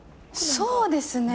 そうですね。